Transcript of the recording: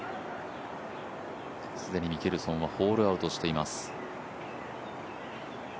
既にミケルソンはホールアウトしています。